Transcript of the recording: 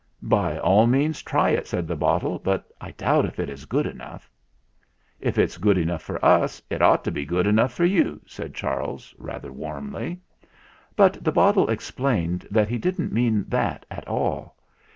"By all means try it," said the bottle; "but I doubt if it is good enough." "If it's good enough for us, it ought to be good enough for you," said Charles, rather warmly. But the bottle explained that he didn't mean that at all.